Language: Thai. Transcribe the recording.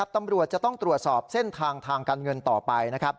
ตำรวจจะต้องตรวจสอบเส้นทางทางการเงินต่อไป